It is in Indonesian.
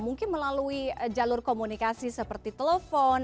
mungkin melalui jalur komunikasi seperti telepon